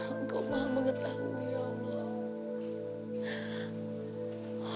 engkau maaf mengetahui ya allah